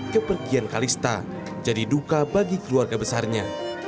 kepergian kalista jadi duka bagi keluarga besarnya